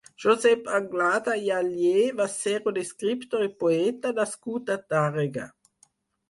Josep Anglada i Alier va ser un escriptor i poeta nascut a Tàrrega.